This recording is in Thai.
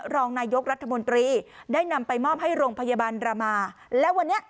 รองนายกรัฐมนตรีได้นำไปมอบให้โรงพยาบาลรามาและวันนี้